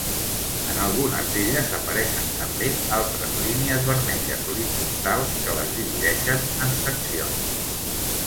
En algunes d'elles apareixen també altres línies vermelles horitzontals que les divideixen en seccions.